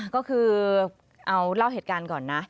ก็คือเอาเล่าเหตุการณ์ก่อนนะ